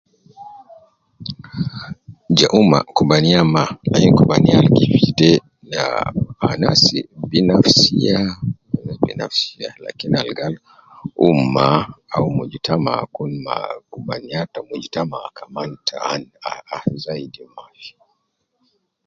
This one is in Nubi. Je umma, kubaniya ma lakin kubaniya al gi fi de anasi binafsia, ah binafsia, al tena je gal umma or mujtamiya kun ma nya ta mujtamiya kaman tan, ah ah